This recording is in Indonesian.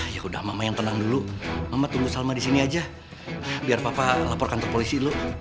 ya udah mama yang tenang dulu mama tunggu salma disini aja biar papa lapor kantor polisi dulu